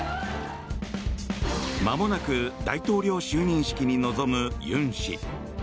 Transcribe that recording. まもなく大統領就任式に臨む尹氏。